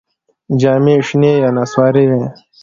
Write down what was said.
جامې یې شنې یا نسواري وې.